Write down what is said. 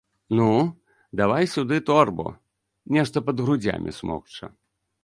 Ну, давай сюды торбу, нешта пад грудзямі смокча.